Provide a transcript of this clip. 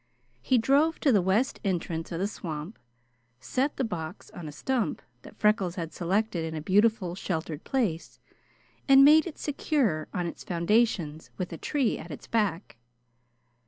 He drove to the west entrance of the swamp, set the box on a stump that Freckles had selected in a beautiful, sheltered place, and made it secure on its foundations with a tree at its back.